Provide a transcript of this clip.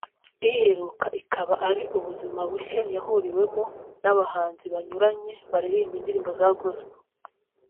Iheruka ikaba ari Ubuzima bushya yahuriwemo n'abahanzi banyuranye baririmba indirimbo za Gospel